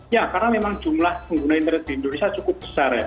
ya karena memang jumlah pengguna internet di indonesia cukup besar ya